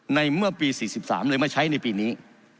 ในเมื่อปี๔๓เลยมาใช้ในปีนี้